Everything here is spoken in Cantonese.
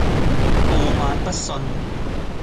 傲慢不遜